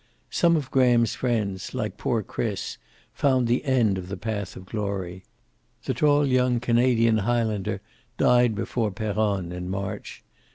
Some of Graham's friends, like poor Chris, found the end of the path of glory. The tall young Canadian Highlander died before Peronne in March.